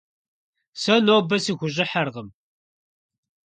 Сэ нобэ сыхущӏыхьэркъым.